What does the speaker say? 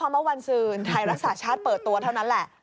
เมื่อวันซืนไทยรักษาชาติเปิดตัวเท่านั้นแหละ